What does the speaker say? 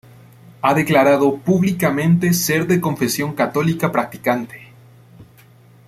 Ha declarado públicamente ser de confesión católica practicante.